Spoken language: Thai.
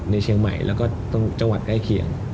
ในเชียงใหม่แล้วก็จังหวัดใกล้เคียง